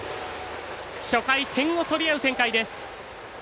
初回、点を取り合う展開です。